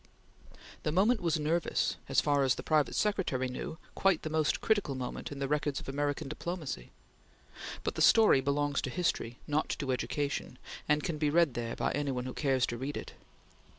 The moment was nervous as far as the private secretary knew, quite the most critical moment in the records of American diplomacy but the story belongs to history, not to education, and can be read there by any one who cares to read it.